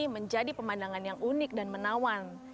menjadi pemandangan yang unik dan menawan